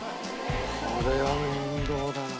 これは面倒だな。